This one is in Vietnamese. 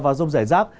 và rông rải rác